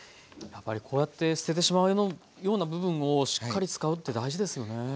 やっぱりこうやって捨ててしまうような部分をしっかり使うって大事ですよね。